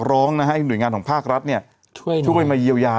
ร้องนะฮะให้หน่วยงานของภาครัฐช่วยมาเยียวยา